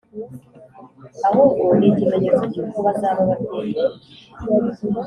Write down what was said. Ahubwo ni ikimenyetso cy’uko bazaba ababyeyi